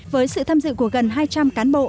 với sự tham dự của gần hai trăm linh cán bộ